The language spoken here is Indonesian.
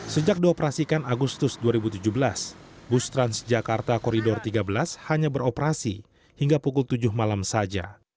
sejak dioperasikan agustus dua ribu tujuh belas bus transjakarta koridor tiga belas hanya beroperasi hingga pukul tujuh malam saja